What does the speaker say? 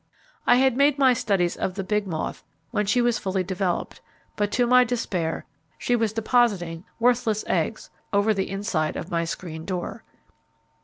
I had made my studies of the big moth, when she was fully developed; but to my despair, she was depositing worthless eggs over the inside of my screen door.